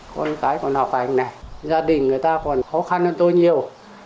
con cái còn học hành này gia đình người ta còn khó khăn hơn tôi nhiều